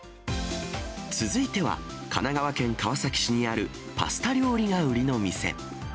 続いては、神奈川県川崎市にあるパスタ料理が売りの店。